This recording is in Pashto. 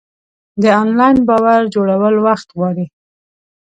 د انلاین باور جوړول وخت غواړي.